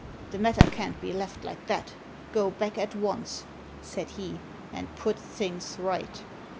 The matter can't be left like that ! Go back at once," said he, "and put things right.